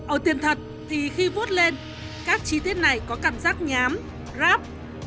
ở tiền thật thì khi vuốt lên các chi tiết này có cảm giác nhám grab